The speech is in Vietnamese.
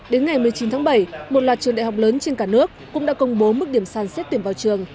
đến ngày một mươi chín tháng bảy một loạt trường đại học lớn trên cả nước cũng đã công bố mức điểm sàn xét tuyển vào trường